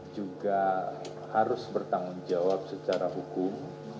juga harus bertanggung jawab secara hukum